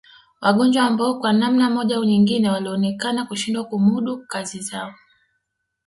Wagonjwa ambao kwa namna moja au nyingine walionekana kushindwa kumudu kazi zao